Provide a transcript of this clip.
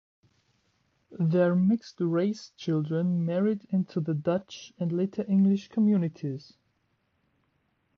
Their mixed-race children married into the Dutch and later English communities.